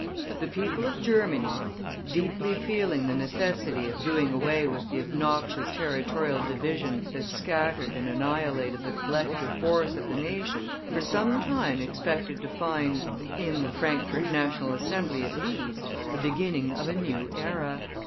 The people of Germany, deeply feeling the necessity of doing away with the obnoxious territorial division that scattered and annihilated the collective force of the nation, for some time expected to find, in the Frankfort National Assembly at least, the beginning of a new era.